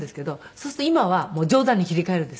そうすると今は冗談に切り替えるんです。